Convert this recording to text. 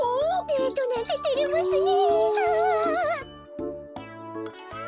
デートなんててれますね。